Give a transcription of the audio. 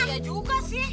gak juga sih